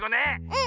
うん！